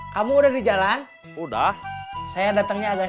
jangan siapin dapuk dari tang sogar